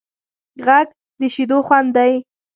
غږ د شیدو خوند دی